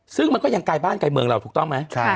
ซึ่งมันก็ยังไกลบ้านไกลเมืองเราถูกต้องไหม